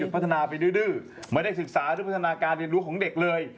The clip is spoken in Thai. พัฒนาไปดื้อไม่ได้ศึกษาหรือพัฒนาการเรียนรู้ของเด็กเลย